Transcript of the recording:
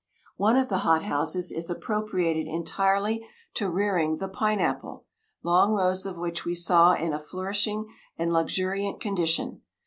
"One of the hot houses is appropriated entirely to rearing the pine apple, long rows of which we saw in a flourishing and luxuriant condition.